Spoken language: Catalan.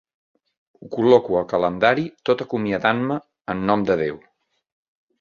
Ho col·loco al calendari tot acomiadant-me en nom de Déu.